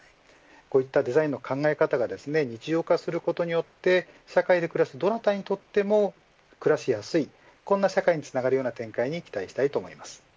こういったデザインの考え方が日常化することによって社会に生活するどんな方にとっても暮らしやすいこんな展開に期待したいと思います。